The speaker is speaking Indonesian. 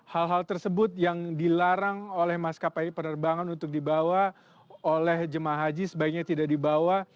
hal hal tersebut yang dilarang oleh maskapai penerbangan untuk dibawa oleh jemaah haji sebaiknya tidak dibawa